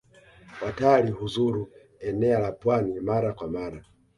Watali huzuru enea la pwani mara kwa mara.